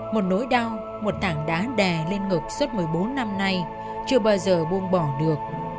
một nỗi đau một tảng đá đè lên ngực suốt một mươi bốn năm nay chưa bao giờ buông bỏ được